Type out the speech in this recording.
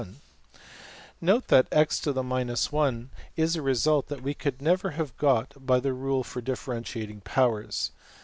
\] Note that $x^{ 1}$ is a result that we could never have got by the rule for differentiating powers.